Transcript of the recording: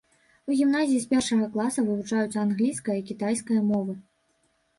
У гімназіі з першага класа вывучаюцца англійская і кітайская мовы.